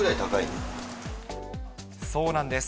そうなんです。